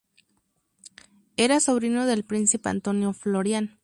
Era sobrino del príncipe Antonio Florián.